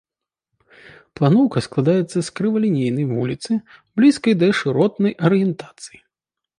Планоўка складаецца з крывалінейнай вуліцы, блізкай да шыротнай арыентацыі.